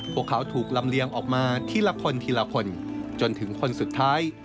พวกเขาถูกลำเลียงออกมาทีละคนทีละคนจนถึงคนสุดท้าย